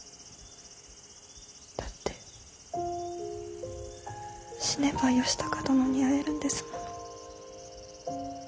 だって死ねば義高殿に会えるんですもの。